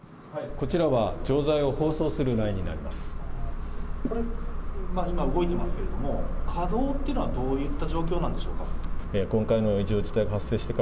これ、今動いてますけれども、稼働っていうのはどういった状況なんでしょうか。